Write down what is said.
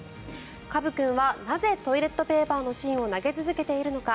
カブ君はなぜトイレットペーパーの芯を投げ続けているのか。